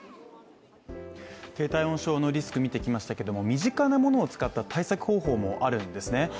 低体温症のリスク、見てきましたけども身近なものを使った対策方法もあるんですね。